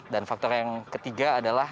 dan faktor yang ketiga adalah